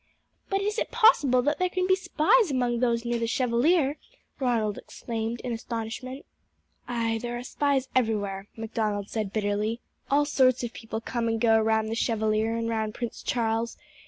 "But is it possible that there can be spies among those near the Chevalier!" Ronald exclaimed in astonishment. "Aye, there are spies everywhere," Macdonald said bitterly. "All sorts of people come and go round the Chevalier and round Prince Charles.